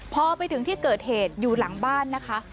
พอไปถึงที่เกิดเหตุอยู่หลังบ้านนะคะ